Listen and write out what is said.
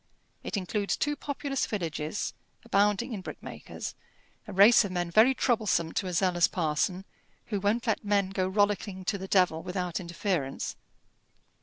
It includes two populous villages, abounding in brickmakers, a race of men very troublesome to a zealous parson who won't let men go rollicking to the devil without interference.